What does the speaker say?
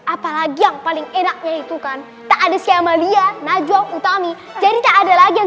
apalagi yang paling enak yaitu kan tak ada si amalia najwa utami jadi tak ada lagi yang